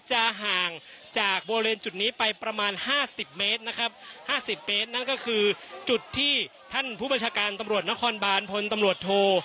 ห่างจากบริเวณจุดนี้ไปประมาณ๕๐เมตรนะครับ๕๐เมตรนั่นก็คือจุดที่ท่านผู้บัญชาการตำรวจนครบานพลตำรวจโท